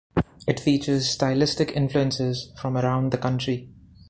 It features stylistic influences from around the country.